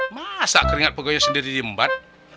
masa keringat pegawai sendiri jembat